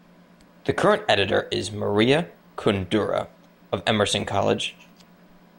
The current editor is Maria Koundoura of Emerson College.